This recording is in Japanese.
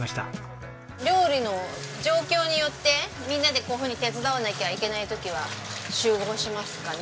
料理の状況によってみんなでこういうふうに手伝わなきゃいけない時は集合しますかね。